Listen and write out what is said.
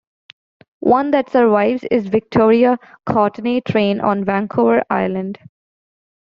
One that survives is Victoria - Courtenay train on Vancouver Island.